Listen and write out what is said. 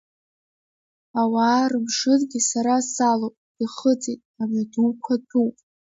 Ауаа рымшынгьы сара салоуп, ихыҵит, амҩадуқәа ҭәуп.